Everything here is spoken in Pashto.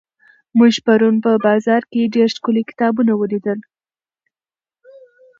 موږ پرون په بازار کې ډېر ښکلي کتابونه ولیدل.